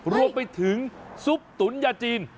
รวมไปถึงซุปตุ๋นยาจีน